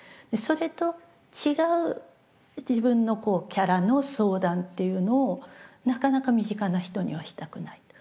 それと違う自分のキャラの相談っていうのをなかなか身近な人にはしたくない。